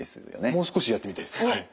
もう少しやってみたいですはい。